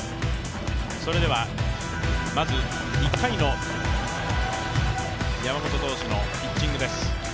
それではまず、１回の山本投手のピッチングです。